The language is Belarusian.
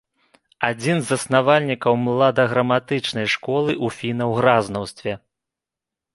Адзін з заснавальнікаў младаграматычнай школы ў фіна-угразнаўстве.